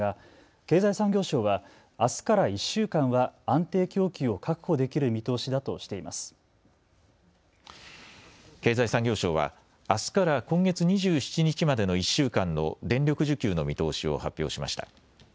経済産業省はあすから今月２７日までの１週間の電力需給の見通しを発表しました。